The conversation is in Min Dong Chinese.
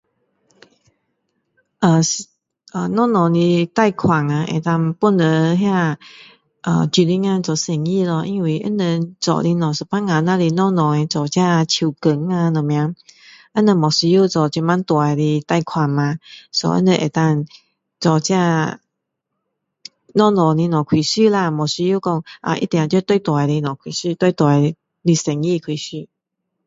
啊是啊小小的贷款啊可以帮助啊那小女孩做生意咯因为他们做的东西有时候只是做小小的做这手工什么也不需要做这么大的贷款吗 so 他们能够做这小小的东西开始啦啊不需要说一定要大大的东西开始大大的生意开始